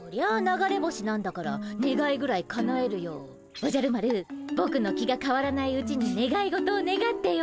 おじゃる丸ぼくの気がかわらないうちにねがい事をねがってよ。